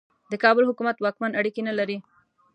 د کابل حکومت واکمن اړیکې نه لري.